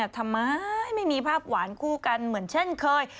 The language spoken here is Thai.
ทำไมไม่มีภาพหวานคู่กันเหมือนเช่นเคย